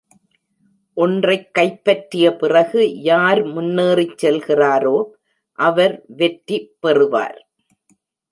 ஒன்றைக் கைப்பற்றிய பிறகு யார் முன்னேறிச் செல்கிறாரோ அவர் வெற்றி பெறுவார்.